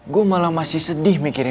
kayaknya dapat minta saltanya sampai kesini